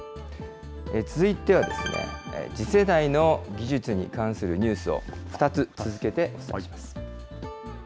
続いてはですね、次世代の技術に関するニュースを２つ続けてお伝えします。